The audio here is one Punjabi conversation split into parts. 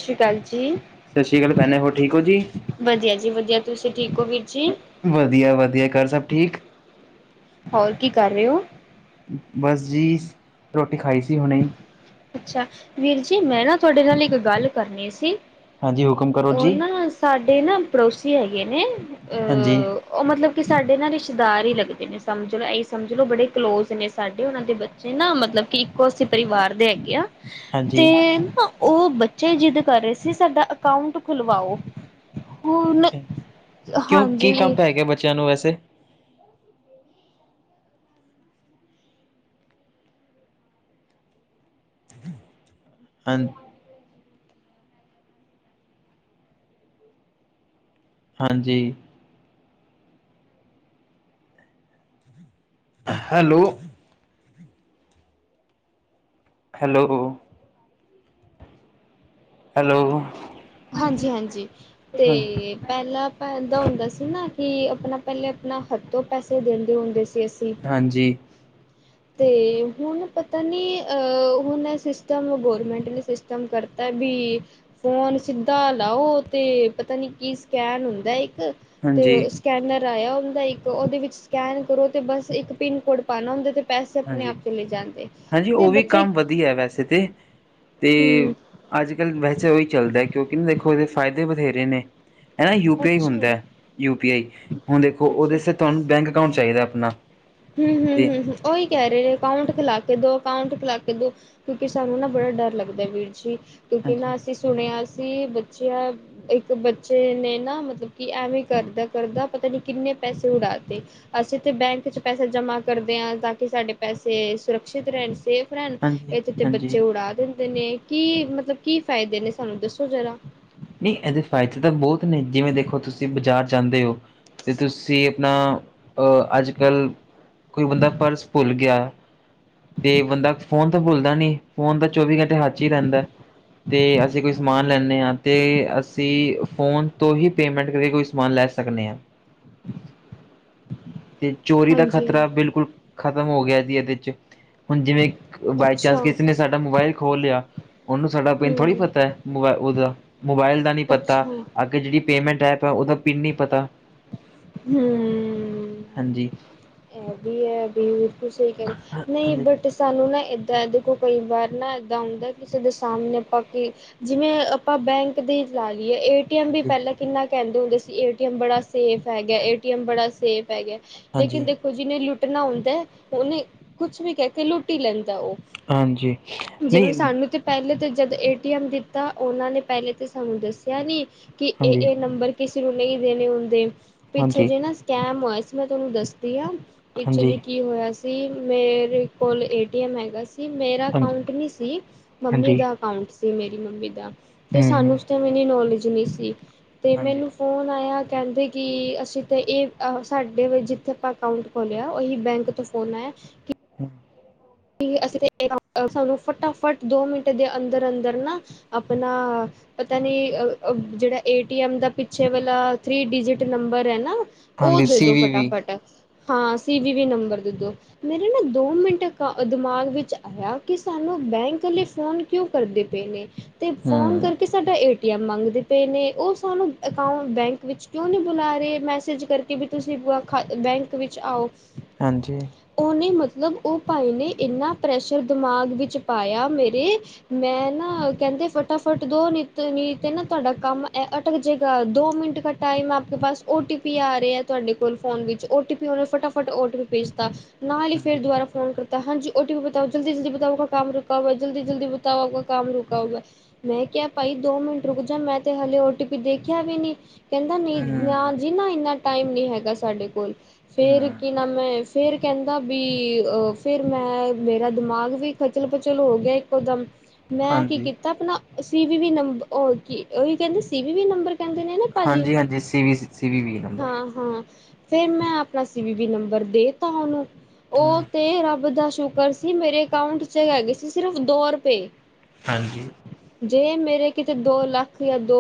ਸਤਿ ਸ਼੍ਰੀ ਅਕਾਲ ਜੀ, ਸਤਿ ਸ਼੍ਰੀ ਅਕਾਲ ਭੈਣੇ, ਹੋਰ ਠੀਕ ਹੋ ਜੀ? ਵਧੀਆ ਜੀ ਵਧੀਆ ਤੁਸੀਂ ਠੀਕ ਹੋ ਵੀ ਵਧੀਆ- ਵਧੀਆ, ਘਰ ਸਭ ਠੀਕ ਹੋਰ ਕੀ ਕਰ ਰਹੇ ਹੋ ਬਸ ਜੀ, ਰੋਟੀ ਖਾਈ ਸੀ ਹੁਣੇ ਅੱਛਾ, ਵੀਰ ਜੀ ਮੈਂ ਨਾ ਤੁਹਾਡੇ ਨਾਲ ਇੱਕ ਗੱਲ ਕਰਨੀ ਸੀ, ਹਾਂਜੀ, ਹੁਕਮ ਕਰੋ ਉਹ ਜੀ। ਨਾ ਸਾਡੇ ਨਾ, ਪੜੋਸੀ ਹੈਗੇ ਨੇ, ਅ ਹਾਂਜੀ ਉਹ ਮਤਲਬ ਕਿ ਸਾਡੇ ਨਾ ਰਿਸ਼ਤੇਦਾਰ ਹੀ ਲੱਗਦੇ ਨੇ, ਸਮਝ ਲ, ਇਹੀਓ ਸਮਝ ਲਓ, ਬੜੇ ਕਲੋਜ ਨੇ ਸਾਡੇ ਉਹਨਾਂ ਦੇ ਬ ਕਿ ਨਾ ਮਤਲਬ ਕਿ ਇੱਕੋ ਅਂ ਪਰਿਵਾਰ ਦੇ ਹੈਗੇ ਆ, ਹਾਂਜੀ। ਤੇ ਨਾ ਉਹ ਬੱਚੇ ਜਿੱਦ ਕਰ ਰਹੇ ਸੀ, ਸਾਡਾ ਅਕਾਊਂਟ ਖੁਲਵਾਓ ਹੁਣ, ਹਾਂਜੀ ਠੀਕ ਏ, ਬੱਚਿਆਂ ਨੂੰ ਵੈਸੇ ਹਾਂਜੀ ਹਾਂਜੀ ਹੈਲੋ ਹੈਲੋ ਹੈਲੋ ਹਾਂਜੀ- ਹਾਂਜੀ ਤੇ ਹਾਂਜੀ, ਪਹਿਲਾਂ ਅਪਾਂ ਐਦਾ ਹੁੰਦਾ ਸੀ ਨਾ, ਕਿ ਆਪਣਾ ਪਹਿਲੇ ਆਪਣਾ ਹੱਥੋਂ ਪੈਸੇ ਦਿੰਦੇ ਹੁੰਦੇ ਸੀ ਅਸੀਂ। ਹਾਂਜੀ ਤੇ, ਹੁਣ ਪਤਾ ਨੀ ਅਹ, ਹੁਣ ਸਿਸਟਮ ਗੌਰਮੈਂਟ ਨੇ ਕੰਮ ਕਰਤਾ ਵੀ ਫੋਨ ਸਿੱਧਾ ਲਾਓ ਤੇ, ਪਤਾ ਨੀ ਕੀ ਸਕੈਨ ਹੁੰਦਾ ਇੱਕ, ਹਾਂਜੀ, ਤੇ ਸਕੈਨਰ ਆਇਆ ਹੁੰਦਾ, ਇੱਕ ਉਹਦੇ ਵਿੱਚ ਸਕੈਨ ਕਰੋ ਤੇ ਬਸ ਇੱਕ ਪਿੰਨ ਕੋਡ ਪਾਉਣਾ ਹੁੰਦਾ ਤੇ ਪੈਸੇ ਆਪਣੇ ਹਾਂਜੀ, ਆਪ ਚਲੇ ਜਾਂਦੇ ਹਾਂਜੀ ਤੇ ਉਹ ਵੀ ਬੱਚੇ ਕੰਮ ਵਧੀਆ ਵੈਸੇ ਤੇ ਤੇ, ਹੂੰ ਅੱਜ ਕੱਲ੍ਹ ਵੈਸੇ ਉਹੀ ਚੱਲਦਾ, ਕਿਉਂਕਿ ਨਾ ਦੇਖੋ ਇਹਦੇ ਫ਼ਾਇਦੇ ਬਥੇਰੇ ਨੇ ਹਨਾ, ਯੂ ਪੀ ਆਈ ਹੁੰਦਾ ਹੈ, ਅੱਛਾ-ਅੱਛਾ। ਯੂ ਪੀ ਆਈ, ਹੁਣ ਦੇਖੋ ਉਹਦੇ ਤੁਹਾਨੂੰ ਬੈਂਕ ਅਕਾਊਂਟ ਚਾਹੀਦਾ ਆਪਣਾ ਹਮ- ਹਮ- ਤੇ ਹਮ ਹ ਉਹੀ ਕਹਿ ਰਹੇ ਨੇ ਅਕਾਊਂਟ ਖਲਾ ਕੇ ਦੋ ਅਕਾਊਂਟ ਖਿਲਾ ਕੇ ਦੋ, ਕਿਉਂਕਿ ਸਾਨੂੰ ਨਾ ਬੜਾ ਡਰ ਲੱਗਦਾ ਵੀਰ ਜੀ, ਕਿਉਂਕਿ ਹਾਂਜੀ ਨਾ ਅਸੀਂ ਸੁਣਿਆ ਸੀ, ਬੱਚਿਆਂ ਇੱਕ ਬੱਚੇ ਨੇ ਨਾ, ਮਤਲਬ ਕਿ ਐਵੇਂ ਕਰਦਾ- ਕਰਦਾ ਪਤਾ ਨੀ ਕਿੰਨੇ ਪੈਸੇ ਉਡਾਤੇ ਅਸੀਂ ਤਾਂ ਬੈਂਕ 'ਚ ਪੈਸੇ ਜਮਾ ਕਰਦੇ ਹਾਂ, ਤਾਂ ਕਿ ਸਾਡੇ ਪੈਸੇ ਸੁਰੱਖਿਅਤ ਰਹਿਣ ਸੇ ਭੈਣ, ਹਾਂਜੀ ਇਥੇ ਤੇ ਬੱਚੇ ਹਾਂਜੀ ਉਡਾ ਦਿੰਦੇ ਨੇ, ਕੀ ਮਤਲਬ, ਕੀ ਫ਼ਾਇਦੇ ਨੇ ਸਾਨੂੰ ਦੱਸੋ ਜਰਾ ਨਹੀਂ ਇਹਦੇ ਫ਼ਾਇਦੇ ਤਾਂ ਬਹੁਤ ਨੇ, ਜਿਵੇਂ ਦੇਖੋ ਤੁਸੀਂ ਬਾਜ਼ਾਰ ਜਾਂਦੇ ਹੋ ਤੇ ਤੁਸੀਂ ਆਪਣਾ ਅਜ ਕੱਲ੍ਹ, ਕੋਈ ਬੰਦਾ ਪਰਸ ਭੁੱਲ ਗਿਆ ਤੇ ਬੰਦਾ ਫੋਨ ਤਾਂ ਭੁੱਲਦਾ ਨੀ, ਫੋਨ ਤਾਂ ਚੌਵੀ ਘੰਟੇ ਹੱਥ ਹੀ ਰਹਿੰਦਾ ਤੇ ਅਸੀਂ ਕੋਈ ਸਮਾਨ ਲੈਦੇ ਹਾਂ ਤੇ ਅਸੀਂ, ਫ਼ੋਨ ਤੋਂ ਹੀ ਪੇਮੈਂਟ ਕਰਕੇ ਕੋਈ ਸਮਾਨ ਲੈ ਸਕਦੇ ਹਾਂ [inaudible] ਤੇ ਚੋਰੀ ਦਾ ਹਾਂਜੀ। ਖ਼ਤਰਾ, ਬਿਲਕੁਲ ਖਤਮ ਹੋ ਗਿਆ ਜੀ ਇਹਦੇ 'ਚ ਹੁਣ ਜਿਵੇਂ ਬਾਈ ਅੱਛਾ ਚਾਂਸ ਕਿਸੇ ਨੇ ਸਾਡਾ ਮੋਬਾਇਲ ਖੋਲ ਲਿਆ ਉਹਨੂੰ ਸਾਡਾ ਪਿੰਨ ਥੋੜੀ ਹੂੰ ਪਤਾ ਹੈ ਉਹਦਾ ਮੋਬਾਇਲ ਦਾ ਨੀ ਪਤਾ ਅੱਛਾ ਜਿਹੜੀ ਪੇਮਟ ਐਪ ਹੈ ਉਹਦਾ ਪਿੰਨ ਨੀ ਪਤਾ ਹੂੰ ਹਾਂਜੀ ਇਹ ਵੀ ਹੈ ਤੁਸੀਂ ਕਰ ਨਹੀਂ ਹਾਂਜੀ ਬਟ ਅਤੇ ਸਾਨੂੰ ਨਾ ਇੱਦਾਂ ਦੇ ਕੋਲ ਕਈ ਵਾਰ ਨਾ ਇੱਦਾਂ ਹੁੰਦਾ ਕਿਸੇ ਦੇ ਸਾਹਮਣੇ ਆਪਾਂ ਕਿ ਜਿਵੇਂ ਆਪਾਂ ਬੈਂਕ ਦੀ ਲਾ ਲਈਏ ਕਹਿੰਦੇ ਹਾਂਜੀ ਪਹਿਲਾਂ ਕਿੰਨਾ ਕਹਿੰਦੇ ਹੁੰਦੇ ਸੀ ਏਟੀ ਬੜਾ ਸੇਫ ਹੈਗਾ। ਏਟੀ ਬੜਾ ਸੇਫ ਹੈਗਾ। ਹਾਂਜੀ ਲੇਕਿਨ ਦੇਖੋ ਜਿਹਨੇ ਲੁੱਟਣਾ ਹੁੰਦਾ। ਉਹਨੇ ਕੁਛ ਵੀ ਕਹਿ ਕੇ ਲੁੱਟ ਲੈਂਦਾ ਉਹ। ਹਾਂਜੀ ਜਿਵੇਂ ਨਹੀਂ ਸਾਨੂੰ ਤੇ। ਪਹਿਲੇ ਤੇ ਜਦ ਏਟੀਐਮ ਦਿੱਤਾ। ਉਹਨਾਂ ਨੇ ਪਹਿਲੇ ਤੇ ਸਾਨੂੰ ਦੱਸਿਆ ਨੀ ਕਿ ਇਹ ਹਾਂਜੀ ਇਹ ਨੰਬਰ ਕਿਸੇ ਨੂੰ ਨਹੀਂ ਦੇਣੇ ਹੁੰਦੇ। ਪਿੱਛੇ ਹਾਂਜੀ ਜੇ ਨਾ ਸਕੈਮ ਹੋਆ ਸੀ। ਮੈਂ ਤੁਹਾਨੂੰ ਦੱਸਦੀ ਹਾਂ। ਪਿੱਛੇ ਜੀ ਹਾਂਜੀ ਕੀ ਹੋਇਆ ਸੀ। ਮੇਰੇ ਕੋਲ ਏਟੀਐਮ ਹੈਗਾ ਸੀ। ਮੇਰਾ ਹਾਂਜੀ ਅਕਾਊਂਟ ਨਹੀਂ ਸੀ। ਮੰਮੀ ਹਾਂਜੀ ਦਾ ਅਕਾਊਂਟ ਸੀ। ਮੇਰੀ ਮੰਮੀ ਦਾ। ਤੇ ਹੂੰ ਸਾਨੂੰ ਹੂੰ ਉਸ ਟਾਈਮ ਇੰਨੀ ਨੌਲੇਜ ਨਹੀਂ ਸੀ। ਤੇ ਹਾਂਜੀ ਮੈਨੂੰ ਫੋਨ ਆਇਆ ਕਹਿੰਦੇ ਕਿ ਅਸੀਂ ਤੇ ਇਹ ਸਾਡੇ ਜਿੱਥੇ ਅਕਾਊਂਟ ਖੋਲਿਆ। ਉਹੀ ਬੈਂਕ ਤੋਂ ਫੋਨ ਆਇਆ। ਹੂੰ। ਅਸੀਂ ਸਾਨੂੰ ਫਟਾਫਟ ਦੋ ਮਿੰਟ ਦੇ ਅੰਦਰ-ਅੰਦਰ ਨਾ ਆਪਣਾ ਪਤਾ ਨੀ ਜਿਹੜਾ ਏਟੀਮ ਦਾ ਪਿੱਛੇ ਵਾਲਾ ਥਰੀ ਡਿਜਿਟ ਨੰਬਰ ਹੈ ਨਾ। ਉਹ ਹਾਂਜੀ ਦੇ ਸੀ ਦੋ ਵੀ ਵੀ ਫਟਾਫਟ ਹਾਂ। ਸੀ ਵੀ ਨੰਬਰ ਦੇ ਦੋ। ਮੇਰੇ ਨਾ ਦੋ ਮਿੰਟ ਦਿਮਾਗ ਵਿੱਚ ਆਇਆ ਕਿ ਸਾਨੂੰ ਬੈਂਕੇ ਫੋਨ ਕਿਉਂ ਕਰਦੇ ਪਏ ਨੇ। ਤੇ ਫੋਨ ਹੂੰ ਕਰਕੇ ਸਾਡਾ ਏਟੀਐਮ ਮੰਗਦੇ ਪਏ ਨੇ। ਉਹ ਸਾਨੂੰ ਅਕਾਊਂਟ ਬੈਂਕ ਵਿੱਚ ਕਿਉਂ ਨਹੀਂ ਬੁਲਾ ਰਹੇ ਮੈਸੇਜ ਕਰਕੇ। ਕਿ ਵੀ ਤੁਸੀਂ ਪੂਰਾ ਖਾ ਬੈਂਕ ਵਿੱਚ ਆਓ। ਹਾਂਜੀ। ਉਹਨੇ ਮਤਲਬ ਉਹ ਭਾਈ ਨੇ ਇੰਨਾ ਪ੍ਰੈਸ਼ਰ ਦਿਮਾਗ ਵਿੱਚ ਪਾਇਆ ਮੇਰੇ। ਮੈਂ ਨਾ ਕਹਿੰਦੇ ਫਟਾਫਟ ਦੋ। ਨਿਤੇ ਨੇਹਤੇ ਨਾ ਤੁਹਾਡਾ ਕੰਮ ਅਟਕ ਜੇਗਾ। ਦੋ ਮਿੰਟ ਕੱਟ ਟਾਈਮ ਆਪ ਕੇ ਪਾਸ ਓ ਟੀ ਪੀ ਆ ਰਹੇ ਆ। ਤੁਹਾਡੇ ਕੋਲ ਫੋਨ ਵਿੱਚ। ਓ ਟੀ ਪੀ ਉਹਨੇ ਫਟਾਫਟ ਆਰਡਰ ਭੇਜ ਤਾਂ ਨਾਲ ਹੀ ਫਿਰ ਹਾਂਜੀ ਦੁਬਾਰਾ ਫੋਨ ਕਰਤਾ ਹਾਂਜੀ ਓਟੀ ਪੀ ਬਤਾਓ ਜਲਦੀ-ਜਲਦੀ ਬਤਾਓ ਉਹ ਆਪ ਕਾ ਕਮ ਰੁਕਾਊਗਾ। ਜਲਦੀ-ਜਲਦੀ ਬਤਾਓ ਆਪ ਕਾ ਕਮ ਰੁਕਾਊਗਾ। ਮੈਂ ਕਿਹਾ ਭਾਈ ਦੋ ਮਿੰਟ ਰੁਕ ਜਾ। ਮੈਂ ਤੇ ਹਾਲੇ ਓਟੀ ਪੀ ਦੇਖਿਆ ਵੀ ਨੀ। ਕਹਿੰਦਾ ਨੀ ਨਾ ਹੂੰ ਜੀ ਨਾ ਇੰਨਾ ਟਾਈਮ ਨੀ ਹੈਗਾ ਸਾਡੇ ਕੋਲ। ਫਿਰ ਹੂੰ ਕੀ ਨਾਮ ਮੈਂ ਫਿਰ ਕਹਿੰਦਾ ਵੀ ਫਿਰ ਮੈਂ ਮੇਰਾ ਦਿਮਾਗ ਵੀ ਖਚਲ-ਪਚਲ ਹੋ ਗਿਆ। ਇੱਕੋ ਦਮ ਮੈਂ ਕੀ ਹਾਂਜੀ ਕੀਤਾ ਆਪਣਾ ਸੀਵੀ ਵੀ ਨੰਬਰ ਕੀ ਉਹੀ ਕੀ ਸੀ ਵੀ ਨੰਬਰ ਕਹਿੰਦੇ ਨੇ ਨਾ ਭਾਜੀ ਹਾਂਜੀ-ਹਾਂਜੀ ਸੀ ਵੀ ਸੀ ਵੀ ਵੀ ਨੰਬਰ ਹਾਂ-ਹਾਂ। ਫਿਰ ਮੈਂ ਆਪਣਾ ਸੀ ਵੀ ਬੀ ਨੰਬਰ ਦੇ ਤਾਂ ਉਹਨੂੰ। ਉਹ ਤੇ ਰੱਬ ਦਾ ਸ਼ੁਕਰ ਸੀ। ਮੇਰੇ ਅਕਾਊਂਟ ਚ ਹੈਗੇ ਸੀ। ਸਿਰਫ ਦੋ ਰੁਪਏ। ਹਾਂਜੀ। ਜੇ ਮੇਰੇ ਕਿਤੇ ਦੋ ਲੱਖ। ਜਾਂ ਦੋ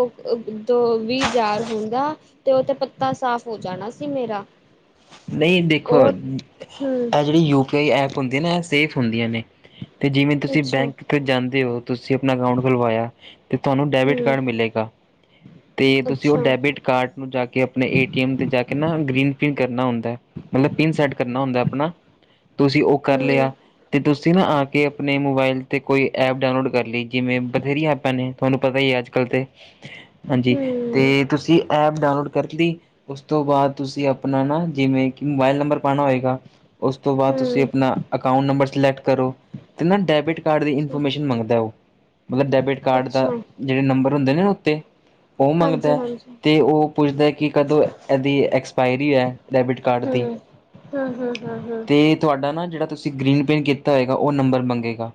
ਦੋ ਵੀਹ ਜਾਰ ਹੁੰਦਾ। ਤੇ ਉਹ ਤੇ ਪੱਤਾ ਸਾਫ਼ ਹੋ ਜਾਣਾ ਸੀ ਮੇਰਾ ਨਹੀਂ ਦੇਖੋ ਉਹ ਹੂੰ ਇਹ ਜਿਹੜੀ ਯੂਪੀ ਆਈ ਐਪ ਹੁੰਦੀ। ਨਾ ਇਹ ਸੇਫ ਹੁੰਦੀਆਂ ਨੇ। ਤੇ ਜਿਵੇਂ ਤੁਸੀਂ ਅੱਛਾ ਬੈਂਕ ਤੇ ਜਾਂਦੇ ਹੋ। ਤੂਸੀ ਅਪਨਾ ਅਕਾਊਂਟ ਖੁਲਵਾਏਐ, ਤੇ ਤੂਆਨੂੰ ਡੈਬਿਟ ਹੂੰ ਕਾਰਡ ਮਿਲੇਗਾ, ਤੇ ਤੂਸੀ ਓ ਅੱਛਾ ਹੂੰ ਡੈਬਿਟ ਕਾਰਟ ਨੂੰ ਜਾ ਕੇ ਅਪਣੇ ਏ ਟੀ ਐਮ ਤੇ ਜਾ ਕੇ ਨਾ ਗ੍ਰੀਨ ਪਿੰਨ ਕਰਨਾ ਹੁੰਦੈ, ਮਤਲਬ ਪਿੰਨ ਸੈਟ ਕਰਨਾ ਹੁੰਦੈ ਅਪਨਾ। ਤੂਸੀ ਓ ਹੂੰ ਕਰ ਲੇਆ, ਤੇ ਤੂਸੀ ਨਾ ਆ ਕੇ ਅਪਨੇ ਮੋਬਾਇਲ ਤੇ ਕੋਈ ਐਪ ਡਾਊਨਲੋਡ ਕਰ ਲੀ, ਜਿਵੇਂ ਬਥੇਰੀਆਂ ਐਪਾਂ ਨੇ ਤੂਆਨੂੰ ਪਤਾ ਈ ਏ ਅੱਜ-ਕੱਲ ਤੇ ਹਾਂਜੀ, ਤੇ ਤੂਸੀ ਐਪ ਡਾਊਨਲੋਡ ਕਰ ਲੀ, ਉਸ ਤੋ ਬਾਦ ਤੂਸੀ ਅਪ ਅਪਨਾ ਨਾ ਜਿਵੇਂ ਕਿ ਮੋਬਾਇਲ ਨੰਬਰ ਪਾਣਾ ਹੋਏਗਾ, ਉਸ ਤੋਂ ਬਾਦ ਹੂੰ ਤੂਸੀ ਅਪਨਾ ਅਕਾਊਂਟ ਨੰਬਰ ਸਲੈਕਟ ਕਰੋ, ਤੇ ਨਾ ਡੈਬਿਟ ਕਾਰਡ ਦੀ ਅੱਛਾ ਇਨਫੋਰਮੇਸ਼ਨ ਮੰਗਦੈ ਓ, ਮਤਲਬ ਡੈਬਿਟ ਕਾਰਡ ਅੱਛਾ ਦਾ ਜੇੜੇ ਨੰਬਰ ਹੁੰਦੇ ਨੇ ਨਾ ਉੱਤੇ, ਓ ਹਾਂਜੀ ਮੰਗਦੈ, ਹਾਂਜੀ ਹੂੰ ਤੇ ਓ ਪੁੱਛਦੈ ਕਿ ਕਦੋਂ ਐਦੀ ਐਕਸਪਾਇਰੀ ਹੈ, ਡੈਬਿਟ ਕਾਰਡ ਹਾਂ ਦੀ, ਹਾਂ ਹਾਂ ਹਾਂ ਤੇ ਤੂਆਡਾ ਨਾ ਜੇੜਾ ਤੂਸੀ ਗ੍ਰੀਨ ਪਿੰਨ ਕੀਤਾ ਹੋਏਗਾ, ਓ ਨੰਬਰ ਮੰਗੇਗਾ,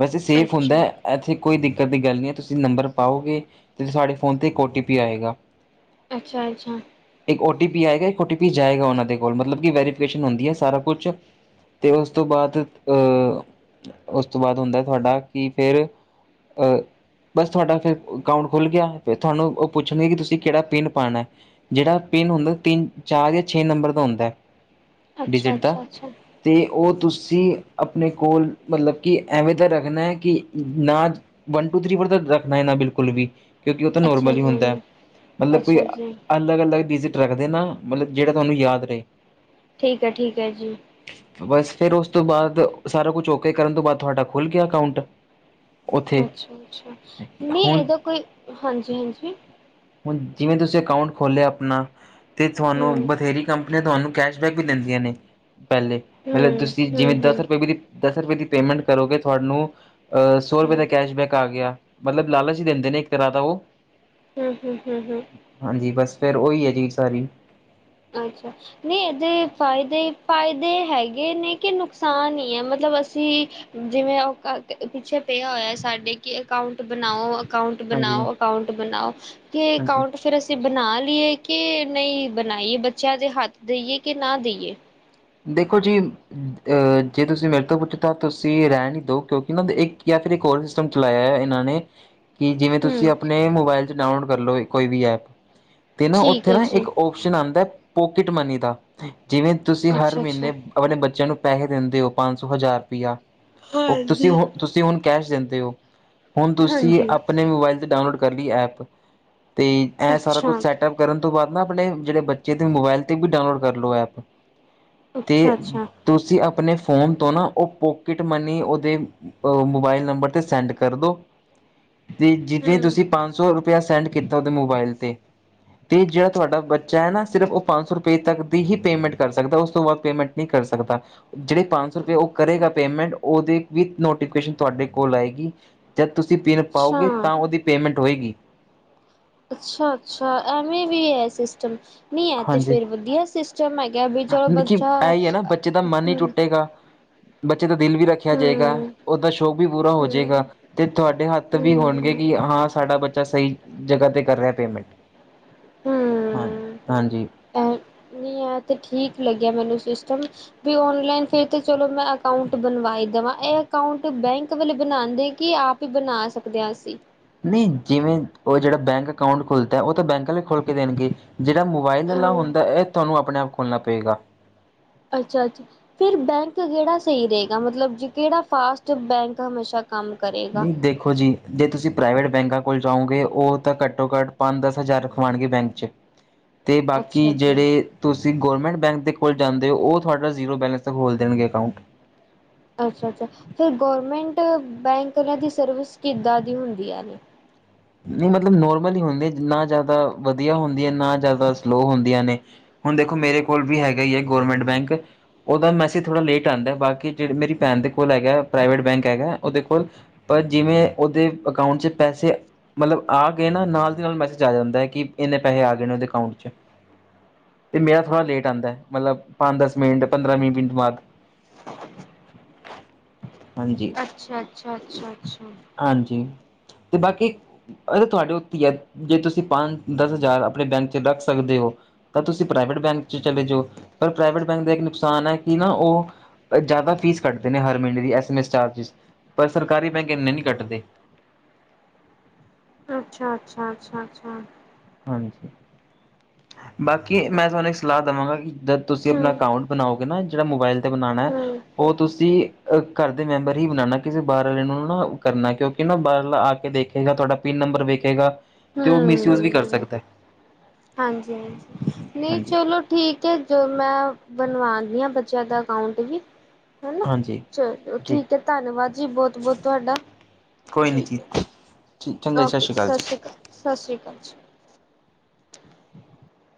ਵੈਸੇ ਸੇਫ਼ ਅੱਛਾ ਹੁੰਦੈ ਐਥੇ ਕੋਈ ਦਿੱਕਤ ਦੀ ਗਾੱਲ ਨੀ ਐ, ਤੂਸੀ ਨੰਬਰ ਪਾਓਗੇ, ਤੇ ਸਾਡੇ ਫੋਨ ਤੇ ਇੱਕ ਓ ਟੀ ਪੀ ਆਏਗਾ। ਅੱਛਾ-ਅੱਛਾ। ਇੱਕ ਓ ਟੀ ਪੀ ਆਏਗਾ, ਇੱਕ ਓ ਟੀ ਪੀ ਜਾਏਗਾ ਓਨਾ ਦੇ ਕੋਲ, ਮਤਲਬ ਕੀ ਵੈਰੀਫਿਕੇਸ਼ਨ ਹੁੰਦੀ ਐ ਸਾਰਾ ਕੁੱਛ ਤੇ ਉਸ ਤੋਂ ਬਾਦ ਅ ਉਸ ਤੋਂ ਬਾਦ ਹੁੰਦੈ, ਤੂਆਡਾ ਕਿ ਫੇਰ ਅ ਬਸ ਥੂਆਡਾ ਫੇਰ ਅਕਾਊਂਟ ਖੁੱਲ ਗੇਆ, ਫੇਰ ਥਾਨੂੰ ਓ ਪੁੱਛਣਗੇ ਕਿ ਤੂਸੀ ਕੈੜਾ ਪਿੰਨ ਪਾਣੈ? ਜੇੜਾ ਪਿੰਨ ਹੁੰਦੈ ਤਿੰਨ-ਚਾਰ ਯਾ ਛੇ ਨੰਬਰ ਦਾ ਹੁੰਦੈ, ਅੱਛਾ ਡਿਜਿਟ ਦਾ ਅੱਛਾ ਅੱਛਾ ਤੇ ਓ ਤੁਸੀਂ ਅਪਨੇ ਕੋਲ ਮਤਲਬ ਕਿ ਐਵੇਂ ਦਾ ਰੱਖਨੈ ਕਿ ਨਾਜ ਵਨ ਟੂ ਥੀ ਫੋਰ ਤਾਂ ਰੱਖਨਾ ਈ ਨਾ ਬਿਲਕੁਲ ਵੀ। ਕਿਉਂਕਿ ਓ ਤਾਂ ਅੱਛਾ ਨੋਰਮਲ ਹੀ ਜੀ ਹੁੰਦੈ, ਮਤਲਬ ਕੋਈ ਅੱਛਾ ਜੀ ਅਲੱਗ-ਅਲੱਗ ਡਿਜ਼ਿਟ ਰੱਖਦੇਨਾ। ਮਤਲਬ ਜੇੜਾ ਤੂਆਨੂੰ ਯਾਦ ਰਏ। ਠੀਕ ਐ, ਠੀਕ ਐ ਜੀ। ਬੱਸ ਫੇਰ ਉਸ ਤੋਂ ਬਾਦ ਸਾਰਾ ਕੁੱਛ ਓਕੇ ਕਰਨ ਤੋਂ ਬਾਦ ਥੂਆਡਾ ਖੁੱਲ ਗੇਆ ਅਕਾਊਂਟ। ਉੱਥੇ। ਅੱਛਾ-ਅੱਛਾ, ਨੀ ਹੁਣ, ਐਦਾ ਕੋਈ, ਹਾਂਜੀ-ਹਾਂਜੀ। ਹੁਨ ਜਿਵੇਂ ਤੂਸੀ ਅਕਾਊਂਟ ਖੋਲੇਆ ਅਪਨਾ ਥੂਆਨੂੰ ਹੂੰ ਬਥੇਰੀ ਕੰਪਨੀਆਂ ਤੂਆਨੂੰ ਕੈਸ਼ਬੈਕ ਵੀ ਦੇੰਦੀਆਂ ਨੇ ਪੈਲੇ। ਹੂੰ ਮਤਲਬ ਤੂਸੀ ਹੂੰ ਜਿਵੇਂ ਹੂੰ ਹੂੰ ਦਾੱਸ ਰੁਪਏ ਵੀ ਦੀ ਦਾੱਸ ਰਪੇ ਦੀ ਪੇਮੈਂਟ ਕਰੋਗੇ ਥੂਆਨੂੰ ਅ ਸੌ ਰੁਪੇ ਦਾ ਕੈਸ਼ਬੈਕ ਆ ਗੇਆ। ਮਤਲਬ ਲਾਲਚ ਈ ਦੇਂਦੇ ਨੇ ਇੱਕ ਤਰਾ ਦਾ ਓ ਹੂੰ, ਹੂੰ, ਹੂੰ, ਹੂੰ। ਹਾਂਜੀ, ਬਾੱਸ ਫੇਰ ਓਈ ਏ ਜੀ ਸਾਰੀ। ਅੱਛਾ, ਅਛੱ। ਨਈ ਏਦੇ ਫਾਏਦੇ-ਫਾਏਦੇ ਹੈਗੇ ਨੇ, ਕੇ ਨੁਕਸਾਨ ਈ ਐ, ਮਤਲਬ ਅਸੀ ਜਿਵੇਂ ਓ ਕ ਕ ਪਿੱਛੇ ਪੇਆ ਹੋਏ ਸਾਡੇ ਕਿ ਅਕਾਊਂਟ ਬਨਾਓ ਅਕ ਅਕਾਊਂਟ ਹਾਂਜੀ, ਬਨਾਓ, ਅਕਾਊਂਟ ਬਨਾਓ ਕੇ ਹਾਂਜੀ। ਅਕਾਊਂਟ ਫੇਰ ਅਸੀ ਬਨਾ ਲੀਏ ਕੇ ਨਈ ਬਨਾ ਬਨਾਈਏ, ਬੱਚੇਆਂ ਦੇ ਹਾੱਤ ਦੇਈਏ ਕੇ ਨਾ ਦੇਈਏ? ਦੇਖੋ ਜੀ ਅ ਜੇ ਤੂਸੀ ਮੇਰੇ ਤੋ ਪੁੱਛੋ ਤਾਂ ਤੂਸੀ ਰੈਣ ਈ ਦੋ ਕਿਉਂਕਿ ਨਾ ਏ ਦੇ ਇੱਕ ਯਾ ਫਿਰ ਏਕ ਹੋਰ ਸਿ ਸਟਮ ਚਲਾਏਆ ਐ ਇਨਾਂ ਨੇ ਕਿ ਜਿਵੇਂ ਤੂਸੀਂ ਹਮ ਅਪਨੇ ਮੋਬਾਇਲ ਚ ਡਾਊਨਲੋਡ ਕਰਲੋਗੇ ਕੋਈ ਵੀ ਐਪ ਤੇ ਨਾ ਠੀਕ ਉੱਥੇ ਹੈ ਨਾ ਜੀ ਇੱਕ ਓਪ ਸਣ ਆਂਦੈ ਪੋਕਿਟ ਮਨੀ ਦਾ, ਜਿਵੇਂ ਤੂਸੀਂ ਹਰ ਅੱਛਾ ਅੱਛਾ ਮ੍ਹੀਨੇ ਅਪਨੇ ਬੱਚੇਆਂ ਨੂੰ ਪੈਸੇ ਦੇਂਦੇ ਓ ਪਾੰਜ ਸੌ ਹਜਾਰ ਰੁਪਇਆ ਓ ਤੂਸੀ ਹਾਂਜੀ ਹੂ ਤੂਸੀ ਹੁਨ ਕੈਸ਼ ਦੇਦੇ ਓ, ਹੁਨ ਤੂਸੀ ਹਾਂਜੀ ਅਪਨੇ ਮੋਬਾਇਲ ਤੇ ਡਾਊਨਲੋਡ ਕਰ ਲੀ ਐਪ ਤੇ ਇਹ ਸਾਰਾ ਕੁਝ ਅੱਛਾ ਸੈਟਆਪ ਕਰਨ ਤੋਂ ਬਾਅਦ ਨਾ ਆਪਣੇ ਜਿਹੜੇ ਬੱਚੇ ਦੇ ਮੋਬਾਇਲ ਤੇ ਵੀ ਡਾਊਨਲੋਡ ਕਰ ਲੋ ਐਪ ਤੇ ਅੱਛਾ ਅੱਛਾ ਤੁਸੀਂ ਆਪਣੇ ਫੋਨ ਤੋਂ ਨਾ ਉਹ ਪੋਕਿਟ ਮਨੀ ਉਹਦੇ ਉਹ ਮੋਬਾਈਲ ਨੰਬਰ ਤੇ ਸੈਂਡ ਕਰ ਦੋ ਤੇ ਜਿਦੇ ਹਮ ਤੁਸੀਂ ਪੰਜ ਸੌ ਰੁਪਇਆ ਸੈਂਡ ਕੀਤਾ ਉਹਦੇ ਮੋਬਾਇਲ ਤੇ ਤੇ ਜਿਹੜਾ ਤੁਹਾਡਾ ਬੱਚਾ ਏ ਨਾ ਸਿਰਫ ਉਹ ਪੰਜ ਸੌ ਰੁਪਏ ਤੱਕ ਦੀ ਹੀ ਪੇਮੈਂਟ ਕਰ ਸਕਦਾ ਉਸ ਤੋਂ ਵਦ ਪੇਮੈਂਟ ਨਹੀਂ ਕਰ ਸਕਦਾ। ਜਿਹੜੇ ਪੰਜ ਸੌ ਰੁਪਏ ਉਹ ਕਰੇਗਾ ਪੇਮੈਂਟ ਉਹਦੇ ਵੀ ਨੋਟੀਫਿਕੇਸ਼ਨ ਤੁਹਾਡੇ ਕੋਲ ਆਏਗੀ। ਜਦ ਤੁਸੀਂ ਪਿਨ ਪਾਓਗੇ ਅੱਛਾ ਤਾਂ ਉਹਦੀ ਪੇਮੈਂਟ ਹੋਏਗੀ। ਅੱਛਾ-ਅੱਛਾ, ਐਵੇਂ ਵੀ ਹੈ ਸਿਸਟਮ ਨਹੀਂ ਏ ਤੇ ਹਾਂਜੀ ਫਿਰ ਵਧੀਆ ਸਿਸ ਟਮ ਹੈਗਾ, ਵਿਚ ਔਰ ਮਤਲਬ ਕਿ ਬੱਚਾ ਇਹ ਹੀ ਹੈ ਨਾ ਬੱਚੇ ਦਾ ਮਨ ਹੀ ਟੁੱਟੇਗਾ ਬੱਚੇ ਦਾ ਦਿਲ ਵੀ ਰੱਖਿਆ ਹੂੰ ਜਾਏਗਾ ਉਹਦਾ ਸ਼ੌਕ ਵੀ ਪੂਰਾ ਹੋ ਜੇਗਾ। ਹੂੰ ਤੇ ਤੁਹਾਡੇ ਹੱਥ ਵੀ ਹੋਣਗੇ ਹੂੰ ਕਿ ਹਾਂ ਸਾਡਾ ਬੱਚਾ ਸਹੀ ਜਗ੍ਹਾ ਤੇ ਕਰ ਰਿਹਾ ਪੇਮੈਂਟ। ਹਾਂ, ਹੂੰ ਹਾਂਜੀ। ਐ ਨਹੀਂ, ਐ ਤੇ ਠੀਕ ਲੱਗਿਆ ਮੈਨੂੰ ਸਿਸਟਮ ਵੀ ਓਨਲਾਈਨ ਫਿਰ ਤੇ ਚਲੋ ਮੈਂ ਅਕਾਊਂਟ ਬਣਵਾਈ ਦਵਾਂ ਇਹ ਅਕਾਊਂਟ ਬੈਂਕ ਵਾਲੇ ਬਣਾਦੇ ਕਿ ਆਪ ਵੀ ਬਣਾ ਸਕਦੇ ਆ ਅਸੀਂ ਨਹੀਂ, ਜਿਵੇਂ ਉਹ ਜਿਹੜਾ ਬੈਂਕ ਅਕਾਊਟ ਖੁਲਦਾ ਉਹ ਤਾਂ ਬੈਂਕ ਆਲੇ ਖੋਲ ਕੇ ਦੇਣਗੇ, ਜਿਹੜਾ ਮੋਬਾਇਲ ਆਲਾ ਹੂੰ ਹੁੰਦਾ, ਇਹ ਤੁਹਾਨੂੰ ਆਪਣੇ ਆਪ ਖੋਲ੍ਹਣਾ ਪਏਗਾ। ਅੱਛਾ ਅੱਛਾ, ਫਿਰ ਬੈਂਕ ਕਿਹੜਾ ਸਹੀ ਰਹੇਗਾ, ਮਤਲਬ ਜੀ ਕਿਹੜਾ ਫਾਸਟ ਬੈਂਕ ਹਮੇਸ਼ਾ ਕੰਮ ਕਰੇ ਦੇਖੋ ਜੀ ਜੇ ਤੁਸੀਂ ਪ੍ਰਾਈਵੇਟ ਬੈਂਕਾਂ ਕੋਲ ਜਾਓਗੇ, ਉਹ ਤਾਂ ਘੱਟੋ ਘੱਟ ਪੰਜ ਦਸ ਹਜ਼ਾਰ ਰਖਵਾਉਣਗੇ ਬੈਂਕ ਚ ਤੇ ਬਾਕੀ ਅੱਛਾ ਜੀ ਜਿਹੜੇ ਤੁਸੀਂ ਗੌਰਮੈਂਟ ਬੈਂਕ ਦੇ ਕੋਲ ਜਾਂਦੇ ਓ ਉਹ ਤੁਹਾਡਾ ਜ਼ੀਰੋ ਬੈਲਸ ਤੱਕ ਖੋਲ ਦੇਣਗੇ ਅਕਾਊਂਟ। ਅੱਛਾ ਅੱਛਾ, ਫਿਰ ਗੌਰਮੈਂਟ ਬੈਂਕ ਇਹਨਾਂ ਦੀ ਸਰਵਿਸ ਕਿੱਦਾਂ ਦੀ ਹੁੰਦੀ ਐ? ਨਹੀਂ ਮਤਲਬ ਨੋਰਮਲ ਹੀ ਹੁੰਦੇ, ਨਾ ਜ਼ਿਆਦਾ ਵਧੀਆ ਹੁੰਦੀਆਂ, ਨਾ ਜ਼ਿਆਦਾ ਸਲੋਅ ਹੁੰਦੀਆਂ ਨੇ। ਹੁਣ ਦੇਖੋ, ਮੇਰੇ ਕੋਲ ਵੀ ਹੈਗਾ ਈ ਏ ਗੌਰਮੈਂਟ ਬੈਂਕ ਉਹਦਾ ਮੈਸੇਜ ਥੋੜ੍ਹਾ ਲੇਟ ਆਂਦਾ, ਬਾਕੀ ਜਿਹੜੇ ਮੇਰੀ ਭੈਣ ਦੇ ਕੋਲ ਹੈਗਾ ਪ੍ਰਾਈਵੇਟ ਬੈਂਕ ਹੈਗਾ ਉਹਦੇ ਕੋਲ ਪਰ ਜਿਵੇਂ ਉਹਦੇ ਅਕਾਊਂਟ 'ਚ ਪੈਸੇ ਮਤਲਬ ਆ ਗਏ ਨਾ ਨਾਲ ਦੀ ਨਾਲ ਮੈਸੇਜ ਆ ਜਾਂਦਾ ਏ ਕਿ ਇੰਨੇ ਪੈਸੇ ਆ ਗਏ ਨੇ ਉਹਦੇ ਅਕਾਊਂਟ ਚ। ਤੇ ਮੇਰਾ ਥੋੜਾ ਲੇਟ ਆਂਦਾ ਏ, ਮਤਲਬ ਪੰਜ ਦਸ ਮਿੰਟ, ਪੰਦਰਾਂ ਵੀਹ ਮਿੰਟ ਬਾਅਦ। ਹਾਂਜੀ। ਅੱਛਾ ਅੱਛਾ ਅੱਛਾ ਅੱਛਾ। ਹਾਂਜੀ ਤੇ ਬਾਕੀ ਏਹ ਤਾਂ ਤੁਹਾਡੇ ਉੱਤੇ ਈ ਐ ਜੇ ਤੁਸੀਂ ਪੰਜ ਦਸ ਹਜ਼ਾਰ ਆਪਣੇ ਬੈਂਕ ਚ ਰੱਖ ਸਕਦੇ ਓ ਤਾਂ ਤੁਸੀਂ ਪ੍ਰਾਈਵੇਟ ਬੈਂਕ ਚ ਚਲੇ ਜਾਓ ਪਰ ਪ੍ਰਾਈਵੇਟ ਬੈਂਕ ਦਾ ਇੱਕ ਨੁਕਸਾਨ ਹੈ ਕਿ ਨਾ ਉਹ ਜ਼ਿਆਦਾ ਫ਼ੀਸ ਕੱਟਦੇ ਨੇ ਹਰ ਮਹੀਨੇ ਦੀ ਐਸ ਐਮ ਐਸ ਚਾਰਜਿਸ, ਪਰ ਸਰਕਾਰੀ ਬੈਂਕ ਇੰਨੇ ਨੀ ਕੱਟਦੇ। ਅੱਛਾ ਅੱਛਾ ਅੱਛਾ ਅੱਛਾ। ਹਾਂਜੀ। ਬਾਕੀ ਮੈਂ ਤੁਹਾਨੂੰ ਇੱਕ ਸਲਾਹ ਦਵਾਗਾ ਕਿ ਜਦ ਤੁਸੀਂ ਆਪਣਾ ਅਕਾਊਂਟ ਬਣਾਓਗੇ ਨਾ ਜਿਹੜਾ ਮੋਬਾਇਲ ਤੇ ਬਣਾਣਾ ਹੂੰ-ਹੂੰ-ਹੂੰ। ਉਹ ਤੁਸੀਂ ਅ ਘਰ ਦੇ ਮੈਂਬਰ ਹੀ ਬਣਾਣਾ, ਕਿਸੇ ਬਾਹਰ ਵਾਲੇ ਨੂੰ ਨਾ ਕਰਨਾ ਕਿਉਂਕਿ ਨਾ ਬਾਹਰ ਆਲਾ ਆ ਕੇ ਦੇਖ ਵੇਖੇਗਾ, ਤੁਹਾਡਾ ਪਿੰਨ ਨੰਬਰ ਵੇਖੇਗਾ ਤੇ ਉਹ ਮਿਸਯੂਜ ਵੀ ਕਰ ਸਕਦਾ। ਹਾਂਜੀ ਹਾਂਜੀ, ਨਹੀਂ ਹਾਂਜੀ ਚਲੋ ਠੀਕ ਏ, ਜਦੋਂ ਮੈਂ ਬਣਵਾਦੀ ਆਂ ਬੱਚਿਆਂ ਦਾ ਅਕਾਊਟ ਵੀ ਹਨਾ ਹਾਂਜੀ ਚਲੋ ਠੀਕ ਐ, ਧੰਨਵਾਦ ਜੀ ਬੋਤ-ਬੋਤ ਤੁਆਡਾ। ਕੋਈ ਨੀ ਜੀ, ਚੰਗਾ ਜੀ ਸ਼ਸ ਸ੍ਰੀ ਕਾਲ ਜੀ। ਸਾਸ਼ ਸ੍ਰੀ ਕਾਲ ਜੀ। [unintelligible]